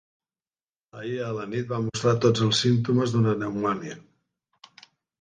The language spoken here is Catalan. Ahir a la nit va mostrar tots els símptomes d'una pneumònia.